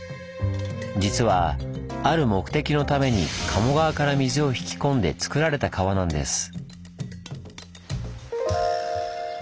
実はある目的のために鴨川から水を引き込んでつくられた川なんです。